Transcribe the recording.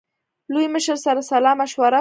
لوی مشر سره سلا مشوره وکړه.